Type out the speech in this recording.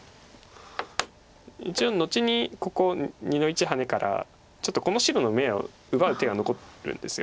一応後にここ２の一ハネからちょっとこの白の眼を奪う手が残るんです。